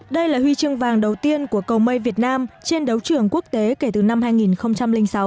đây là huy chương vàng đầu tiên của cầu mây việt nam trên đấu trường quốc tế kể từ năm hai nghìn sáu